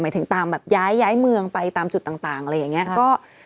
ถึงตามแบบย้ายเมืองไปตามจุดต่างอะไรอย่างนี้